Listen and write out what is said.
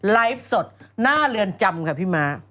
ไลฟ์สดหน้าเรือนจำค่ะพี่ม้า